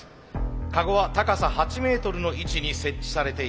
カゴは高さ８メートルの位置に設置されています。